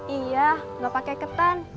iya gak pake ketan